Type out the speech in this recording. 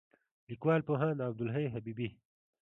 لیکوال: پوهاند عبدالحی حبیبي